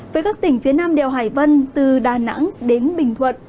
với các tỉnh phía nam đèo hải vân từ đà nẵng đến bình thuận